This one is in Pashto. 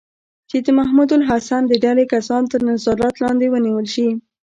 چې د محمود الحسن د ډلې کسان تر نظارت لاندې ونیول شي.